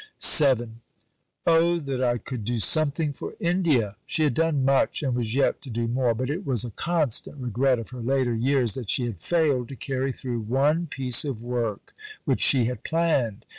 Miss Gaster. VII "O that I could do something for India!" She had done much, and was yet to do more; but it was a constant regret of her later years that she had failed to carry through one piece of work which she had planned.